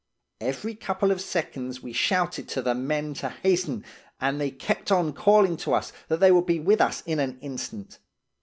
"Every couple of seconds we shouted to the men to hasten, and they kept on calling to us that they would be with us in an instant.